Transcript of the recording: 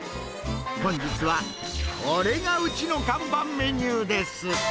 本日はこれがウチの看板メニューです。